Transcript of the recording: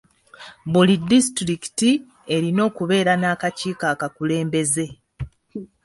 Buli disitulikiti erina okubeera n'akakiiko akakulembeze.